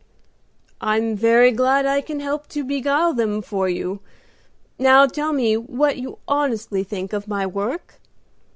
"I am very glad I can help to beguile them for you. Now tell me what you honestly think of my work?